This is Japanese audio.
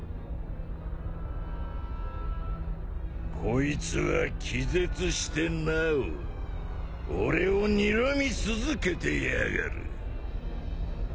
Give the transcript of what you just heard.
こいつは気絶してなお俺をにらみ続けてやがる。